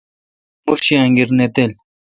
شمور شی انگیر نہ تل۔